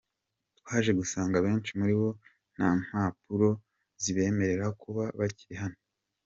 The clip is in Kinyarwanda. Twaje gusanga benshi muri bo nta n’impapuro zibemerera kuba bakiri hano.